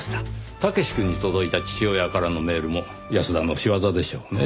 武志くんに届いた父親からのメールも安田の仕業でしょうねぇ。